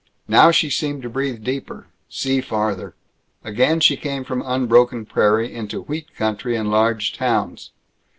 Now she seemed to breathe deeper, see farther. Again she came from unbroken prairie into wheat country and large towns.